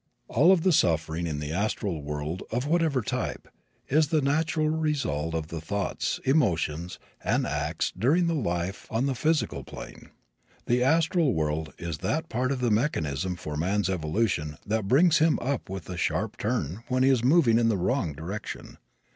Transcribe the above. All of the suffering in the astral world, of whatever type, is the natural result of the thoughts, emotions and acts during the life on the physical plane. The astral world is that part of the mechanism for man's evolution that brings him up with a sharp turn when he is moving in the wrong direction.